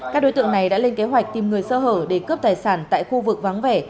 các đối tượng này đã lên kế hoạch tìm người sơ hở để cướp tài sản tại khu vực vắng vẻ